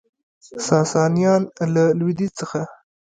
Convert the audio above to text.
ساسانیان له لویدیځ څخه